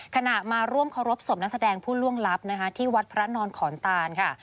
มาร่วมเคารพศพนักแสดงผู้ล่วงลับนะคะที่วัดพระนอนขอนตานค่ะ